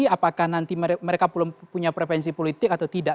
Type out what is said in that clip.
apakah nanti mereka belum punya prevensi politik atau tidak